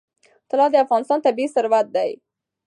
طلا د افغانستان طبعي ثروت دی.